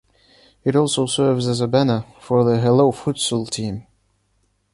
It also serves as a banner for the Hello futsal team.